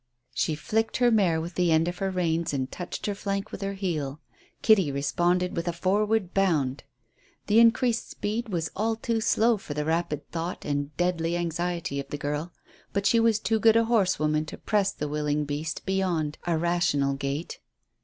She flicked her mare with the end of her reins and touched her flank with her heel. Kitty responded with a forward bound. The increased speed was all too slow for the rapid thought and deadly anxiety of the girl, but she was too good a horsewoman to press the willing beast beyond a rational gait.